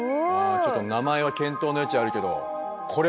ちょっと名前は検討の余地あるけどこれは欲しい！